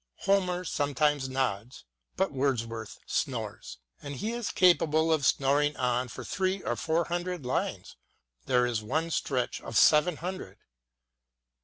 Homer some times nods, but Wordsworth snores ; and he is capable of snoring on for three or four hundred lines — there is one stretch of seven hundred.